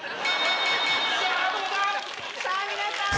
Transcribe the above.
さぁ皆さん